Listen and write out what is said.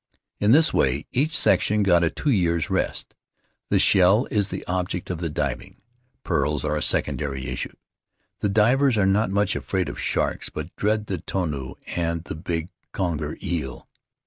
In this way each section got a two years' rest. The shell is the; object of the diving — pearls are a secondary issue. The divers are not much afraid of sharks, but dread the tonu and the big conger eel.